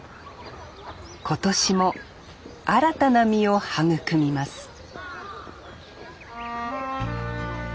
今年も新たな実を育みます